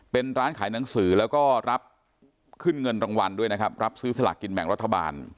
เป็นร้านขายหนังสือแล้วก็รับขึ้นเงินรางวัลด้วยนะครับรับซื้อสลากกินแบ่งรัฐบาล